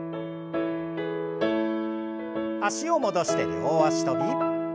脚を戻して両脚跳び。